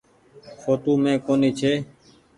ڦوٽو مين ڪونيٚ ڇي۔